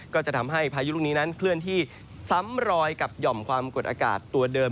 ก็จะทำให้พายุลูกนี้นั้นเคลื่อนที่ซ้ำรอยกับหย่อมความกดอากาศตัวเดิม